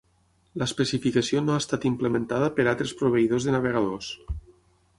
L'especificació no ha estat implementada per altres proveïdors de navegadors.